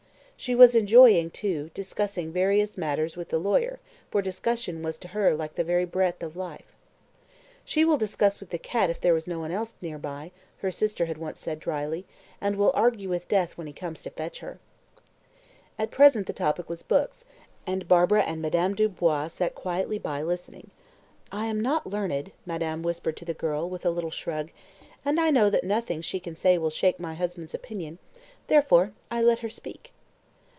She was enjoying, too, discussing various matters with the lawyer, for discussion was to her like the very breath of life. "She will discuss with the cat if there is no one else by," her sister had once said dryly, "and will argue with Death when he comes to fetch her." At present the topic was schools, and Barbara and Madame Dubois sat quietly by, listening. "I am not learned," madame whispered to the girl, with a little shrug, "and I know that nothing she can say will shake my husband's opinion therefore, I let her speak."